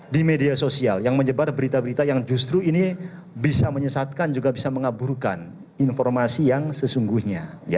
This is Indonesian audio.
di media sosial yang menyebar berita berita yang justru ini bisa menyesatkan juga bisa mengaburkan informasi yang sesungguhnya